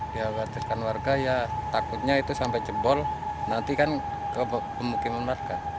dihawatirkan warga ya takutnya itu sampai jebol nanti kan ke pemukiman warga